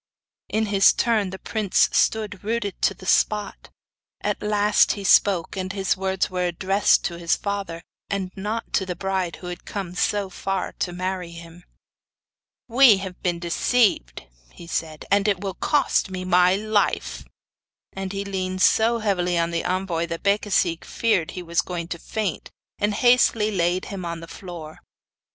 In his turn, the prince stood rooted to the spot. At last he spoke, and his words were addressed to his father, and not to the bride who had come so far to marry him. 'We have been deceived,' he said, 'and it will cost me my life.' And he leaned so heavily on the envoy that Becasigue feared he was going to faint, and hastily laid him on the floor.